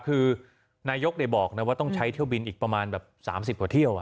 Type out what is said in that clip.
คือนายกบอกนะว่าต้องใช้เที่ยวบินอีกประมาณแบบ๓๐กว่าเที่ยว